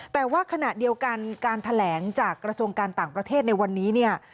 แต่ว่าขณะเดียวกันการแถลงจากกระทรวงการต่างประเทศในวันนี้เนี่ย